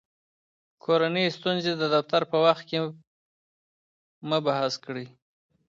کورني ستونزې د دفتر په وخت کې مه بحث کړئ.